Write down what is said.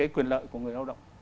quyền lợi của người lao động